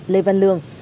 lê văn lương